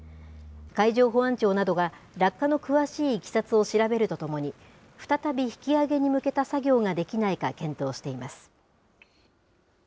海上保安庁などが落下の詳しいいきさつを調べるとともに、再び引き揚げに向けた作業ができないか、検討しています。